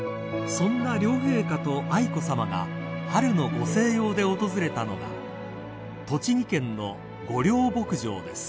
［そんな両陛下と愛子さまが春のご静養で訪れたのが栃木県の御料牧場です］